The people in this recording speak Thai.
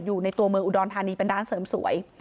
อยู่ในตัวเมืองอุดรธานีเป็นร้านเสริมสวย